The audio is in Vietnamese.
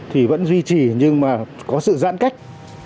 thì vẫn duy trì nhưng mà có sự giãn cách